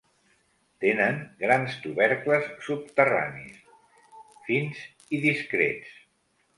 Tenen grans tubercles subterranis, fins i discrets.